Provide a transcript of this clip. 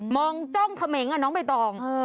มองจ้องเขมงอ่ะน้องใบตอง